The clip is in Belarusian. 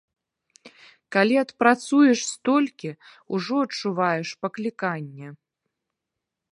Калі адпрацуеш столькі, ужо адчуваеш пакліканне.